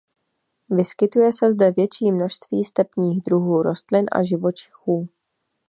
Vyskytuje se zde větší množství stepních druhů rostlin a živočichů.